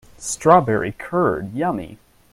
Strawberry curd, yummy!